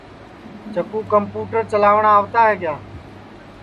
چکُو کمپوٹر چلاٹؔا آوتا ہے کیا